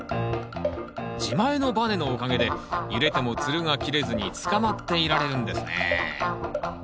自前のバネのおかげで揺れてもつるが切れずにつかまっていられるんですね